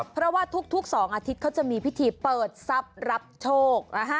เพราะว่าทุก๒อาทิตย์เขาจะมีพิธีเปิดทรัพย์รับโชค